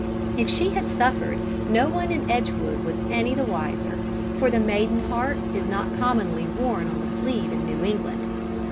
If she had suffered, no one in Edgewood was any the wiser, for the maiden heart is not commonly worn on the sleeve in New England.